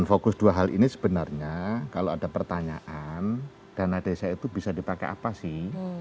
dan fokus dua hal ini sebenarnya kalau ada pertanyaan dana desa itu bisa dipakai apa sih